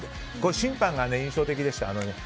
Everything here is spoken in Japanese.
審判が印象的でした。